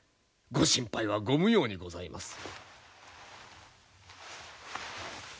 ご心配はご無用にございます。